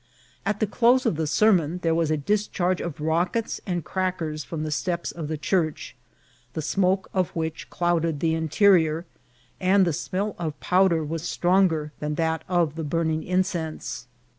At the close of the sermon there was a discharge of rockets and crackers from the steps of the church, the smoke of which clouded the interior, and the smell of powder was stronger than that of the burning incense.